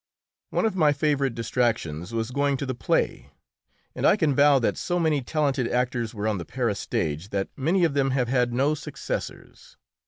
One of my favourite distractions was going to the play, and I can vow that so many talented actors were on the Paris stage that many of them have had no successors.